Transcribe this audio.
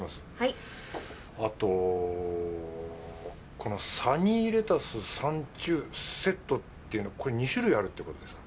このサニーレタス・サンチュセットというのは２種類あるってことですか？